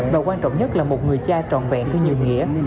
và quan trọng nhất là một người cha trọn vẹn với nhiều nghĩa